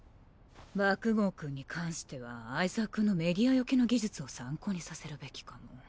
爆豪くんに関しては相澤くんのメディア避けの技術を参考にさせるべきかも。